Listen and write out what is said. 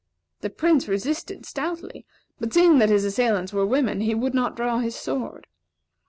The Prince resisted stoutly; but seeing that his assailants were women, he would not draw his sword.